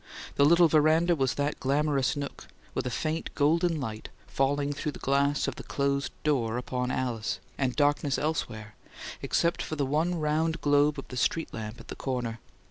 The little veranda was that glamorous nook, with a faint golden light falling through the glass of the closed door upon Alice, and darkness elsewhere, except for the one round globe of the street lamp at the corner.